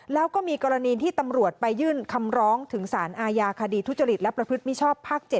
แล้วก็มีกรณีที่ตำรวจไปยื่นคำร้องถึงสารอาญาคดีทุจริตและประพฤติมิชชอบภาค๗